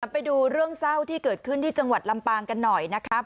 ไปดูเรื่องเศร้าที่เกิดขึ้นที่จังหวัดลำปางกันหน่อยนะครับ